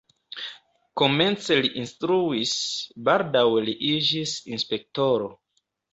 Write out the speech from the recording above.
Komence li instruis, baldaŭe li iĝis inspektoro.